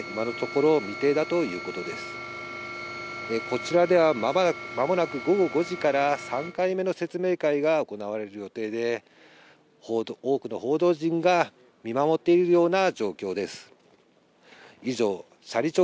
こちらではまもなく午後５時から、３回目の説明会が行われる予定で、多くの報道陣が見守っているような状況です。